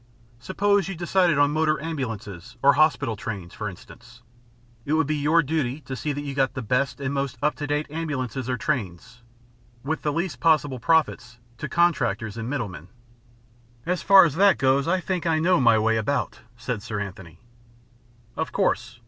Suppose you decided on motor ambulances or hospital trains, for instance, it would be your duty to see that you got the best and most up to date ambulances or trains, with the least possible profits, to contractors and middle men." "As far as that goes, I think I know my way about," said Sir Anthony. "Of course.